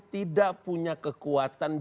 tidak ada kekuatan